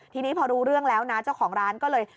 ทีนี้พอรู้เรื่องแล้วนะเจ้าของร้านก็เลย